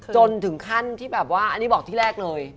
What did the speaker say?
จนถึงขั้นที่แบบว่าอันนี้บอกที่แรกเลย